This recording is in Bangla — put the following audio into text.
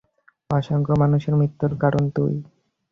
অসংখ্য মানুষের মৃত্যুর কারণ তুই।